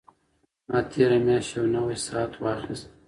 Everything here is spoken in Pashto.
ما تېره میاشت یو نوی ساعت واخیست.